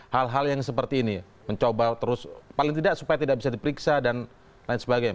hal hal yang seperti ini mencoba terus paling tidak supaya tidak bisa diperiksa dan lain sebagainya